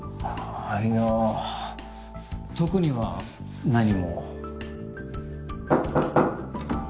あいや特には何も。